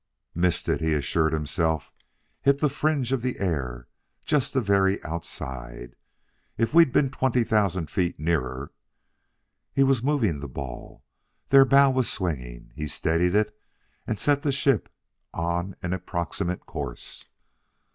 "Missed it!" he assured himself. "Hit the fringe of the air just the very outside. If we'd been twenty thousand feet nearer!... He was moving the ball: their bow was swinging. He steadied it and set the ship on an approximate course.